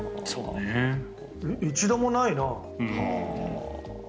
一度もないなあ。